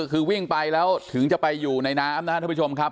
คือวิ่งไปแล้วถึงจะไปอยู่ในน้ำนะครับท่านผู้ชมครับ